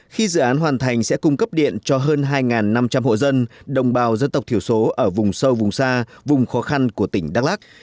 khi dự án hoàn thành sẽ cung cấp điện cho hơn hai năm trăm linh hộ dân đồng bào dân tộc thiểu số ở vùng sâu vùng xa vùng khó khăn của tỉnh đắk lắc